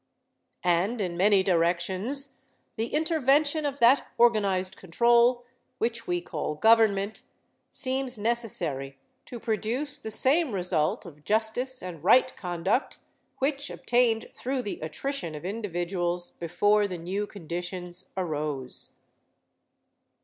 And in many directions, the intervention of that organized control which we call government seems necessary to produce the same result of justice and right conduct which obtained through the attrition of individuals before the new conditions arose."